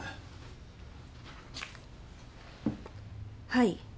はい。